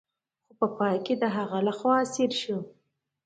خو په پای کې د هغه لخوا اسیر شو.